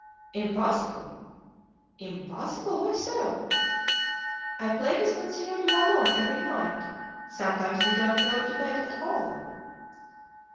"Impossible!" "Impossible! why so?" "I play with Monsieur du Vallon every night. Sometimes we don't go to bed at all!"